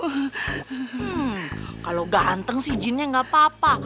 hmm kalau ganteng si jinnya gak apa apa